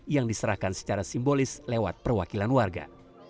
yang diserahkan secara simbolis lewat perwakilan warga